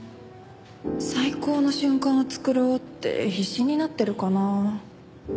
最高の瞬間を作ろうって必死になってるかな。